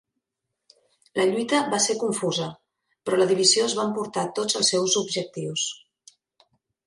La lluita va ser confusa, però la divisió es va emportar tots els seus objectius.